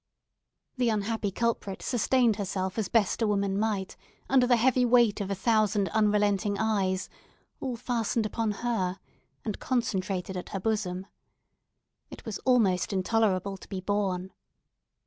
The unhappy culprit sustained herself as best a woman might, under the heavy weight of a thousand unrelenting eyes, all fastened upon her, and concentrated at her bosom. It was almost intolerable to be borne.